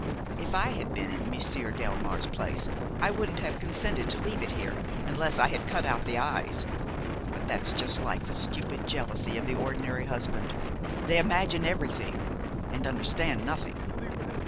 If I had been in Monsieur Delmare's place I wouldn't have consented to leave it here unless I had cut out the eyes. But that's just like the stupid jealousy of the ordinary husband! They imagine everything and understand nothing."